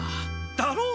だろう。